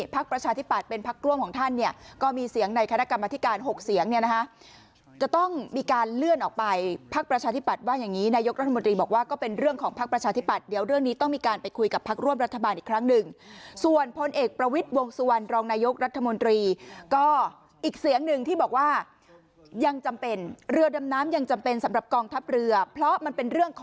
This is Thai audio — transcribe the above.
พักประชาธิปัตย์ว่าอย่างนี้นายกรัฐมนตรีบอกว่าก็เป็นเรื่องของพักประชาธิปัตย์เดี๋ยวเรื่องนี้ต้องมีการไปคุยกับพักร่วมรัฐบาลอีกครั้งหนึ่งส่วนพลเอกประวิทย์วงสุวรรณรองนายกรัฐมนตรีก็อีกเสียงหนึ่งที่บอกว่ายังจำเป็นเรือดำน้ำยังจำเป็นสำหรับกองทัพเรือเพราะมันเป็นเรื่องข